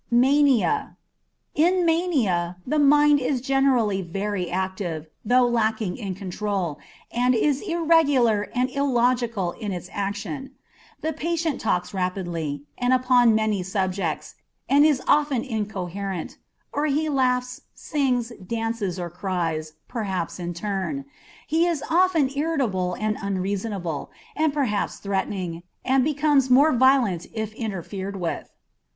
Mania. In mania the mind is generally very active, though lacking in control, and is irregular and illogical in its action; the patient talks rapidly, and upon many subjects, and is often incoherent, or he laughs, sings, dances, or cries, perhaps in turn; he is often irritable and unreasonable, and perhaps threatening, and becomes more violent if interfered with.